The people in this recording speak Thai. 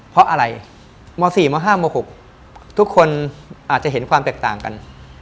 เพราะอะไรม๔ม๕ม๖ทุกคนอาจจะเห็นความแตกต่างกัน